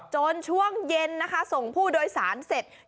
ช่วงเย็นนะคะส่งผู้โดยสารเสร็จ